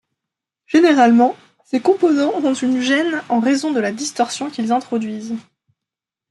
Généralement, ces composants sont une gêne en raison de la distorsion qu'ils introduisent.